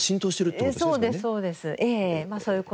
そうですそうです。